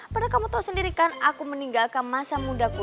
pernah kamu tahu sendiri kan aku meninggalkan masa mudaku